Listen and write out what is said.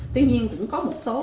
tuy nhiên cũng có một số